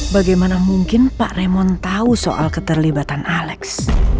bagaimana mungkin pak raymond tahu soal keterlibatan aleks